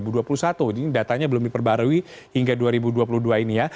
jadi datanya belum diperbarui hingga dua ribu dua puluh dua ini ya